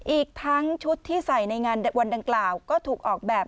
อีกทั้งชุดที่ใส่ในงานวันดังกล่าวก็ถูกออกแบบ